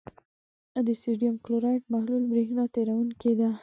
د سوډیم کلورایډ محلول برېښنا تیروونکی دی.